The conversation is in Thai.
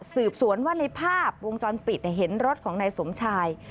สืบสวนว่าในภาพวงจรปิดเห็นรถของนายสมชาย